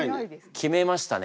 決めましたね